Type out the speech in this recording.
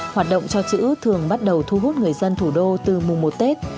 hoạt động cho chữ thường bắt đầu thu hút người dân thủ đô từ mùa một tết